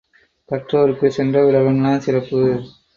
கற்றோர்க்குச் சென்றவிடமெல்லாம் சிறப்பு!